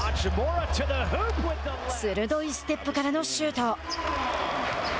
鋭いステップからのシュート。